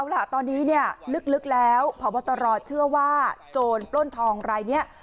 ลึกแล้วพรตรเชื่อว่าโจรปล้นทองอะไรเนี่ย